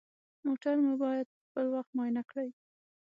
موټر مو باید پخپل وخت معاینه کړئ.